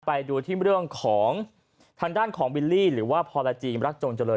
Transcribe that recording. ไปดูที่เรื่องของทางด้านของบิลลี่หรือว่าพรจีมรักจงเจริญ